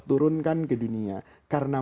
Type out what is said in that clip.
menurunkan ke dunia karena